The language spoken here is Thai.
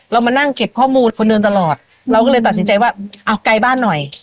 มานั่งเก็บข้อมูลคนเดินตลอดเราก็เลยตัดสินใจว่าเอาไกลบ้านหน่อย